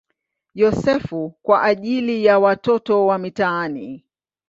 Yosefu" kwa ajili ya watoto wa mitaani.